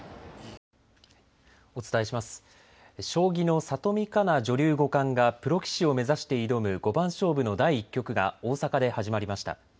将棋の里見香奈女流五冠がプロ棋士を目指して挑む五番勝負の第１局が大阪で始まりました。